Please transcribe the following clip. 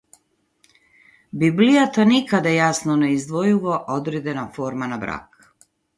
Библијата никаде јасно не издвојува одредена форма на брак.